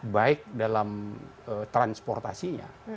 baik dalam transportasinya